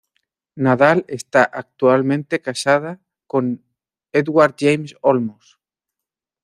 Nadal está actualmente casada con Edward James Olmos.